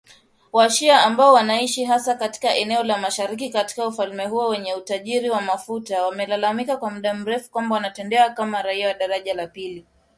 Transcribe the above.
Wa-shia ambao wanaishi hasa katika eneo la mashariki katika ufalme huo wenye utajiri wa mafuta, wamelalamika kwa muda mrefu kwamba wanatendewa kama raia wa daraja la pili